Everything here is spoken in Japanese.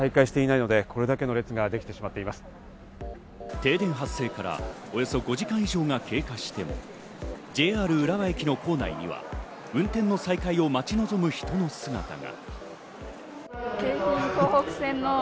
停電発生からおよそ５時間以上が経過しても、ＪＲ浦和駅の構内には運転の再開を待ち望む人の姿が。